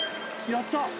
やった！